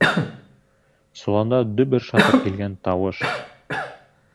Соланда дөбөр-шатыр килгән тауыш.